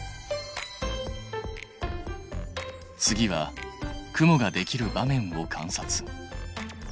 次は雲ができる場面を観察。